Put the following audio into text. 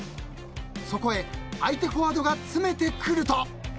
［そこへ相手フォワードが詰めてくると］